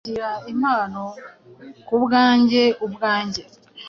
Nzakira impano kubwanjye ubwanjye,